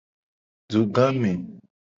Dugame.